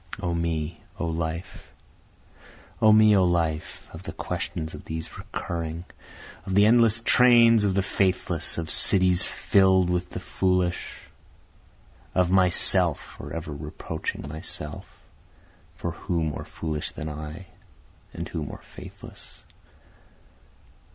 O Me! O Life! O me! O life! of the questions of these recurring, Of the endless trains of the faithless, of cities fill'd with the foolish, Of myself forever reproaching myself, (for who more foolish than I, and who more faithless?)